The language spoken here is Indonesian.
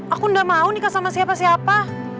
aku gak mau nikah sama siapa siapa